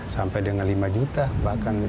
sampai dengan lima juta bahkan